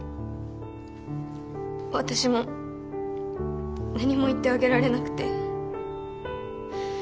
私も何も言ってあげられなくて。